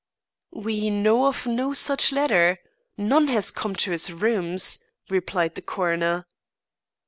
"We know of no such letter. None has come to his rooms," replied the coroner.